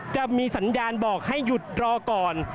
จะมีสัญญาณบอกให้หยุดรอก่อน